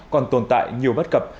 còn tồn tại nhiều bất cập